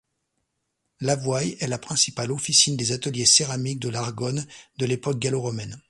Lavoye est la principale officine des ateliers céramiques de l'Argonne de l'époque gallo-romaine.